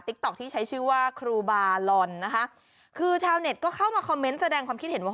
ต๊อกที่ใช้ชื่อว่าครูบาลอนนะคะคือชาวเน็ตก็เข้ามาคอมเมนต์แสดงความคิดเห็นว่า